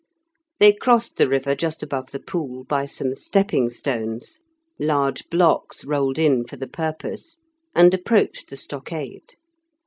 They crossed the river just above the pool by some stepping stones, large blocks rolled in for the purpose, and approached the stockade.